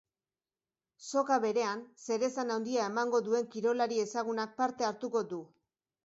Soka berean, zeresan handia emango duen kirolari ezagunak parte hartuko du.